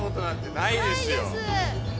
ないです。